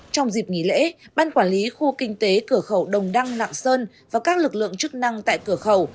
trong dịp nghỉ lễ ban quản lý khu kinh tế cửa khẩu đồng đăng lạng sơn và các lực lượng chức năng tại cửa khẩu